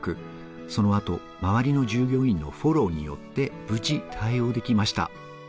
そのあと周りの従業員のフォローによって、無事対応できました。